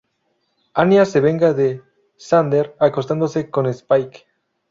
Anya se venga de Xander acostándose con Spike.